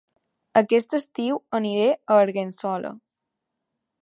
Aquest estiu aniré a Argençola